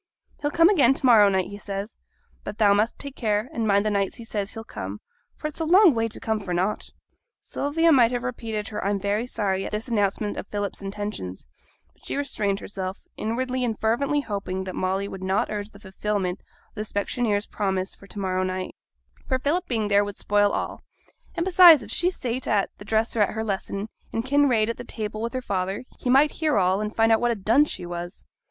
'He'll come again to morrow night, he says. But thou must take care, and mind the nights he says he'll come, for it's a long way to come for nought.' Sylvia might have repeated her 'I'm very sorry' at this announcement of Philip's intentions; but she restrained herself, inwardly and fervently hoping that Molly would not urge the fulfilment of the specksioneer's promise for to morrow night, for Philip's being there would spoil all; and besides, if she sate at the dresser at her lesson, and Kinraid at the table with her father, he might hear all, and find out what a dunce she was.